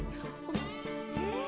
うん。